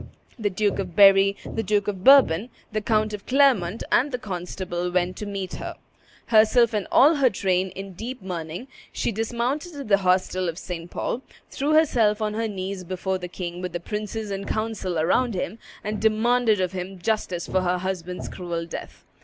The Duke of Berry, the Duke of Bourbon, the Count of Clermont, and the constable went to meet her. Herself and all her train in deep mourning, she dismounted at the hostel of St. Paul, threw herself on her knees before the king with the princes and council around him, and demanded of him justice for her husband's cruel death.